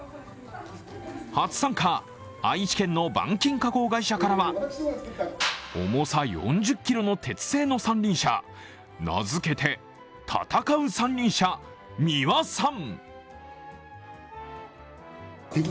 初参加、愛知県の板金加工会社からは、重さ４０ｋｇの鉄製の三輪車名付けて、「戦う三輪車三輪さん」